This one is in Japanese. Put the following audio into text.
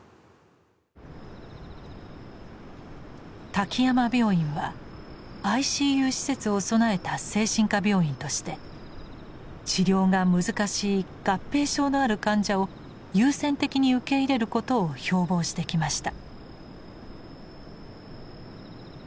滝山病院はＩＣＵ施設を備えた精神科病院として治療が難しい合併症のある患者を優先的に受け入れることを標ぼうしてきました。